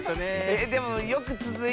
えでもよくつづいたね。